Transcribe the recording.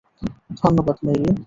ধন্যবাদ, মেইলিন।